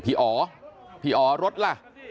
พี่อ๋อพี่อ๋อรถล่ะ